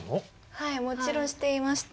はいもちろん知っていました。